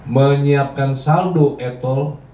menyiapkan saldo etos